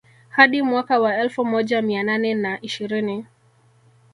Hadi mwaka wa elfu moja mia nane na ishirini